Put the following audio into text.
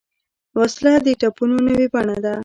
وسله د ټپونو نوې بڼه ده